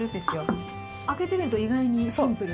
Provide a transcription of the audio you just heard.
あっ開けてみると意外にシンプル。